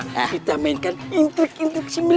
kita mainkan intrik intrik sembil